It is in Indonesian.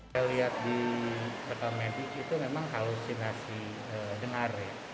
saya lihat di dokter medis itu memang halusinasi dengar